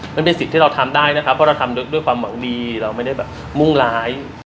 มันเป็นสิ่งที่เราทำได้นะครับเพราะเราทำด้วยความหวังดีเราไม่ได้แบบมุ่งร้าย